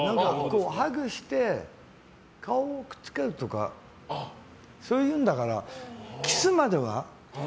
ハグして、顔をくっつけるとかそういうのだからキスまでは。